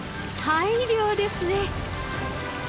大漁ですね！